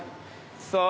そう！